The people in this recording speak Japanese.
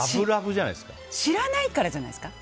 知らないからじゃないですか。